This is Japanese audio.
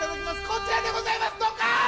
こちらでございますドカン！